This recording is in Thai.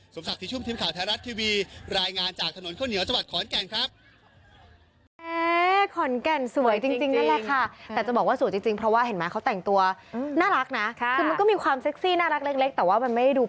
สมศักดิ์ชุ่มทีมข่าวไทยรัฐทีวีรายงานจากถนนข้าวเหนียวจังหวัดขอนแก่นครับ